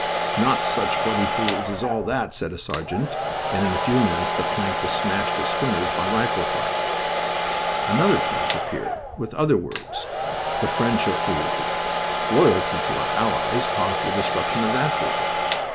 "Not such bloody fools as all that!" said a sergeant, and in a few minutes the plank was smashed to splinters by rifle fire. Another plank appeared, with other words: "The French are fools." Loyalty to our allies caused the destruction of that board.